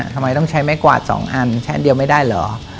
ทำไมต้องใช้ไม้กวาด๒อันชั้นเดียวไม่ได้เหรอ